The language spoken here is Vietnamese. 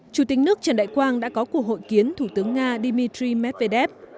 chủ tịch nước trần đại quang đã có cuộc hội kiến thủ tướng nga dmitry medvedev